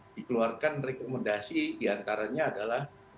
dikeluarkan rekomendasi diantaranya adalah